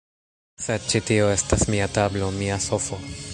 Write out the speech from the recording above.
Sed ĉi tio estas mia tablo; mia sofo